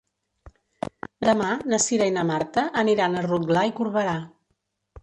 Demà na Cira i na Marta aniran a Rotglà i Corberà.